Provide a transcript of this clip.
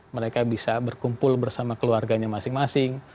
mereka bisa berkumpul bersama keluarganya masing masing